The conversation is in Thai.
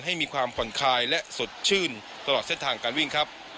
ให้มีความผ่อนคลายและสดชื่นตลอดเส้นทางการวิ่งครับ